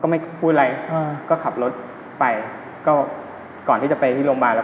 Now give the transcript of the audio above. ไม่พูดอะไรอ่าก็ขับรถไปก็ก่อนที่จะไปที่โรงพยาบาลแล้ว